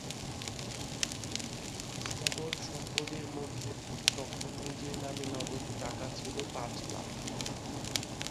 অস্থাবর সম্পদের মধ্যে তখন নিজের নামে নগদ টাকা ছিল পাঁচ লাখ।